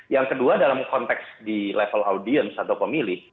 yang kedua dalam konteks di level audience atau pemilih